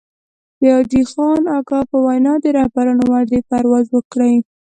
د حاجي خان اکا په وينا د رهبرانو وعدې پرواز وکړي.